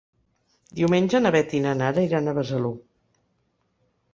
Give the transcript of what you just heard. Diumenge na Beth i na Nara iran a Besalú.